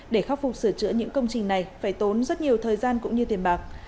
để khắc phục sửa chữa những công trình này phải tốn rất nhiều thời gian cũng như tiền bạc